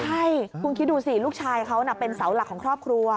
ใช่คุณคิดดูสิลูกชายเขาเป็นเสาหลักของครอบครัว